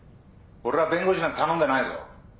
俺は弁護士なんて頼んでないぞ。